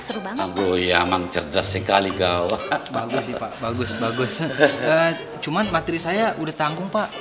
seru banget ya mangg cerdas sekali gawah bagus bagus bagus cuman materi saya udah tanggung pak